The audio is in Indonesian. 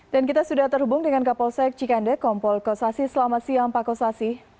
dan kita sudah terhubung dengan kapolsek cikande kompol kosasi selamat siang pak kosasi